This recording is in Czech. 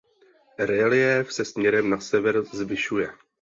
Reliéf se směrem na sever zvyšuje.